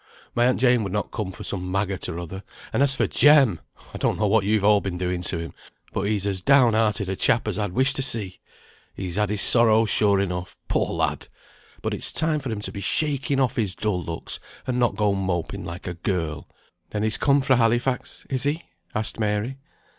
My aunt Jane would not come for some maggot or other; and as for Jem! I don't know what you've all been doing to him, but he's as down hearted a chap as I'd wish to see. He's had his sorrows sure enough, poor lad! But it's time for him to be shaking off his dull looks, and not go moping like a girl." "Then he's come fra Halifax, is he?" asked Mary.